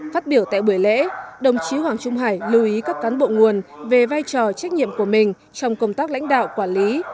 phát biểu tại buổi lễ đồng chí hoàng trung hải lưu ý các cán bộ nguồn về vai trò trách nhiệm của mình trong công tác lãnh đạo quản lý